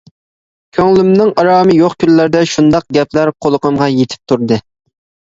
كۆڭلۈمنىڭ ئارامى يوق كۈنلەردە شۇنداق گەپلەر قۇلىقىمغا يىتىپ تۇردى.